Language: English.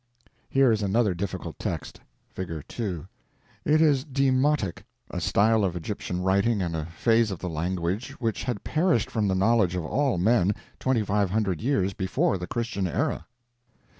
Here is another difficult text: (Figure 2) It is demotic—a style of Egyptian writing and a phase of the language which had perished from the knowledge of all men twenty five hundred years before the Christian era.